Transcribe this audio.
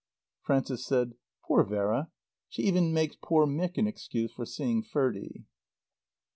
Frances said, "Poor Vera! She even makes poor Mick an excuse for seeing Ferdie."